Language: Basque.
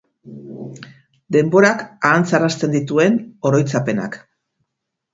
Denborak ahantzarazten dituen oroitzapenak.